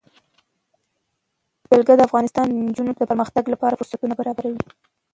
جلګه د افغان نجونو د پرمختګ لپاره فرصتونه برابروي.